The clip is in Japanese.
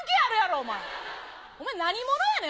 お前、何者やねん。